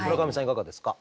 いかがですか？